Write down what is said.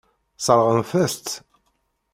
Sseṛɣent-as-tt.